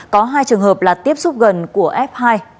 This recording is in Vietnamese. có hai trường hợp là tiếp xúc gần của f hai